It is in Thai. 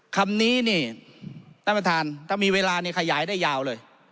คำนี้นี่ท่านประธานถ้ามีเวลานี่ขยายได้ยาวเลย